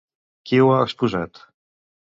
Qui ho ha exposat?